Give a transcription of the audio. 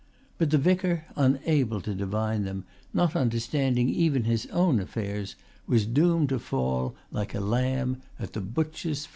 But the vicar, unable to divine them, not understanding even his own affairs, was doomed to fall, like a lamb, at the butcher's first blow.